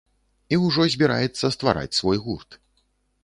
І ўжо збіраецца ствараць свой гурт.